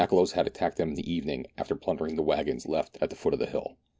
l8l The Makololos had attacked them in the evening, after plundering the waggons left at the foot of the hill.